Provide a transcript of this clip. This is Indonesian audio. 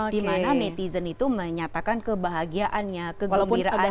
dimana netizen itu menyatakan kebahagiaannya kegembiraannya